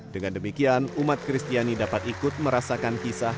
dengan demikian umat kristiani dapat ikut merasakan kisah